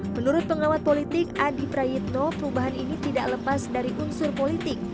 menurut pengamat politik adi prayitno perubahan ini tidak lepas dari unsur politik